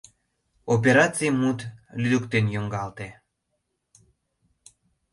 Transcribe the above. Операций мут лӱдыктен йоҥгалте.